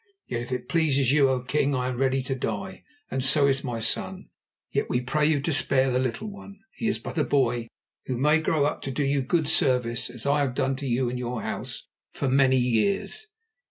Yet if it pleases you, O king, I am ready to die, and so is my son. Yet we pray you to spare the little one. He is but a boy, who may grow up to do you good service, as I have done to you and your House for many years."